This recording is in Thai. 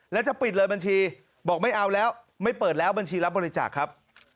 แล้วจะปิดเลยบัญชีบอกไม่เอาแล้วไม่เปิดแล้วบัญชีรับบริจาคครับ